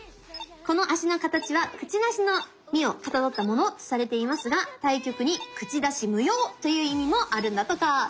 この脚の形はクチナシの実をかたどったものとされていますが「対局に口出し無用」という意味もあるんだとか！